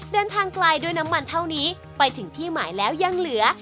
เดินทางไกลด้วยน้ำมันเท่านี้ไปถึงที่หมายแล้วยังเหลือ